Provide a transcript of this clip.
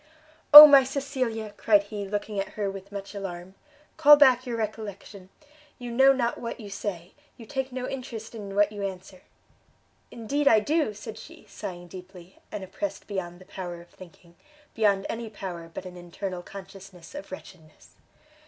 "Oh my Cecilia!" cried he, looking at her with much alarm, "call back your recollection! you know not what you say, you take no interest in what you answer." "Indeed I do!" said she, sighing deeply, and oppressed beyond the power of thinking, beyond any power but an internal consciousness of wretchedness.